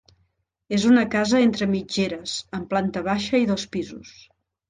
És una casa entre mitgeres amb planta baixa i dos pisos.